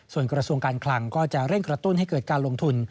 ส่วนกระทรวงการคลังก็จะเร่งกระตุ้นให้เกิดการลงทุน